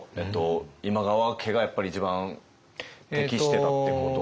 今川家がやっぱり一番適してたってこと？